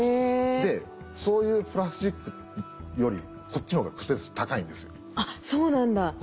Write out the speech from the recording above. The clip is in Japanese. でそういうプラスチックよりあっそうなんだ。